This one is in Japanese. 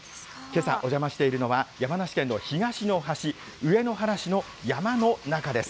けさお邪魔しているのは、山梨県の東の端、上野原市の山の中です。